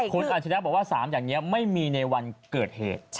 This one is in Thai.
คุณอาชิระบอกว่า๓อย่างนี้ไม่มีในวันเกิดเหตุ